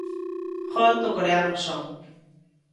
Gol do coreano Son.